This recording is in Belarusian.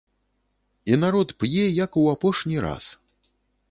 І народ п'е, як у апошні раз.